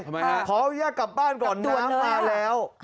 ทำไมฮะขออนุญาตกลับบ้านก่อนน้ำมาแล้ว